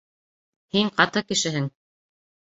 Һин ҡаты кешеһең.